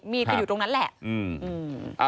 มีก็อยู่ตรงนั้นแหละ